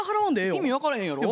意味分からへんやろ？